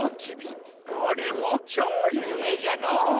これもちょうゆうめいじゃのう。